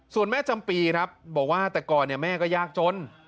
ส่วนแม่จำปีครับบอกว่าแต่ก่อนแม่ก็ยากจน